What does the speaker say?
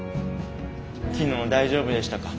昨日大丈夫でしたか？